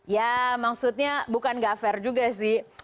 ya maksudnya bukan gak fair juga sih